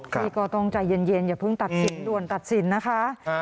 พี่ก็ต้องใจเย็นอย่าเพิ่งตัดสินด่วนตัดสินนะคะ